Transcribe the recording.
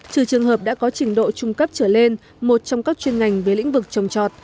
trừ trường hợp đã có trình độ trung cấp trở lên một trong các chuyên ngành về lĩnh vực trồng trọt